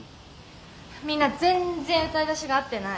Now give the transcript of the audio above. みんな全然歌いだしが合ってない。